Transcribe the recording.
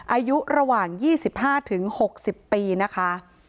อายุระหว่าง๒๕๖๐ปีนะคะ